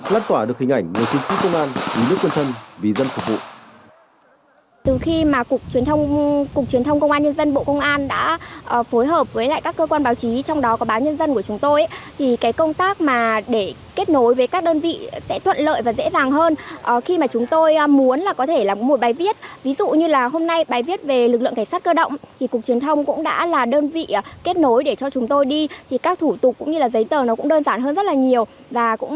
lất tỏa được hình ảnh người chính sĩ công an người nước quân thân vì dân phục vụ